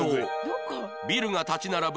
ビルが立ち並ぶ